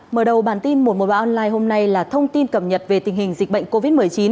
mở đầu bản tin một trăm một mươi ba online hôm nay là thông tin cập nhật về tình hình dịch bệnh covid một mươi chín